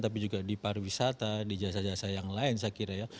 tapi juga di pariwisata di jasa jasa yang lain saya kira ya